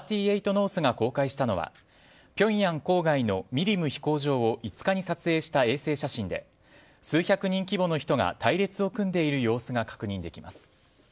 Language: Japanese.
ノースが公開したのは平壌郊外のミリム飛行場を５日に撮影した衛星写真で数百人規模の人が隊列を組んでいる様子が確認できます。